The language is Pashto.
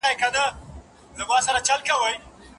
د رسول الله احاديث په دې اړه څه وايي؟